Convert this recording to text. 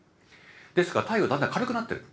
ですから太陽だんだん軽くなってる。